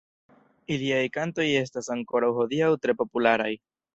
Iliaj kantoj estas ankoraŭ hodiaŭ tre popularaj.